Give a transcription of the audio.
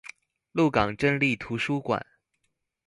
鹿港鎮立圖書館